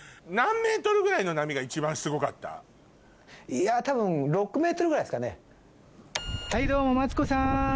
いや多分６ｍぐらいですかね。